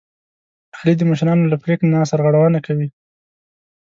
علي د مشرانو له پرېکړې نه سرغړونه کوي.